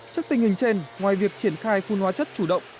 trước tình hình trên ngoài việc triển khai phun hóa chất chủ động